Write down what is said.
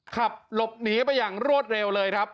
ขับหลบหนีไปอย่างรวดเร็วเลยครับ